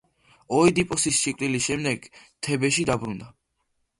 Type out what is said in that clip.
ოიდიპოსის სიკვდილის შემდეგ თებეში დაბრუნდა.